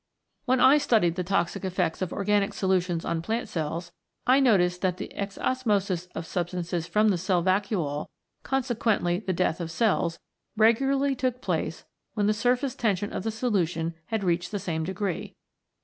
When I studied the toxic effects of organic solutions on plant cells I noticed that the exos mosis of substances from the cell vacuole, con sequently the death of cells, regularly took place when the surface tension of the solution had reached the same degree.